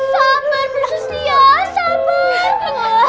sabar prinses ya sabar